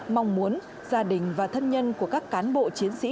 mong muốn gia đình và thân nhân của các cán bộ chiến sĩ